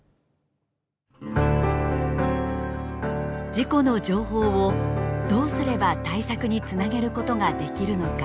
事故の情報をどうすれば対策につなげることができるのか。